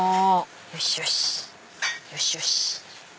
よしよし！